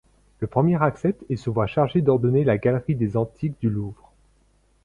Le premier accepte et se voit chargé d'ordonner la Galerie des Antiques du Louvre.